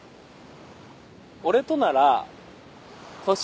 俺となら年